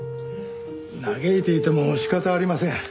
嘆いていても仕方ありません。